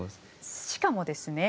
しかもですね